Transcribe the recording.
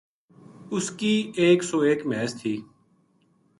اس کی ایک سو ایک مھیس تھی